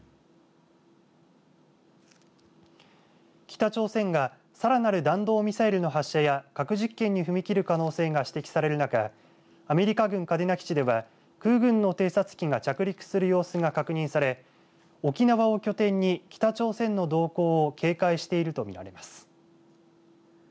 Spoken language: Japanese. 北朝鮮がさらなる弾道ミサイルの発射や核実験に踏み切る可能性が指摘される中アメリカ軍嘉手納基地では空軍の偵察機が着陸する様子が確認され沖縄を拠点に北朝鮮の動向を警戒しているとみられます。